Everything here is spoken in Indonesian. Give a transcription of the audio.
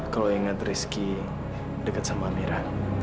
kalau ingat rizky deket sama amira